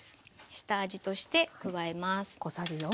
下味として加えます。